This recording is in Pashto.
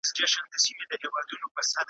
وئيل ئې دلته واړه د غالب طرفداران دي ,